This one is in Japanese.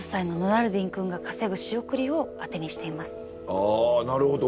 ああなるほど。